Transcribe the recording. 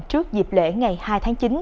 trước dịp lễ ngày hai tháng chín